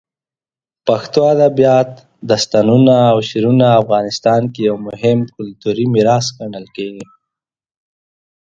پښتو ادبیات، داستانونه، او شعرونه افغانستان کې یو مهم کلتوري میراث ګڼل کېږي.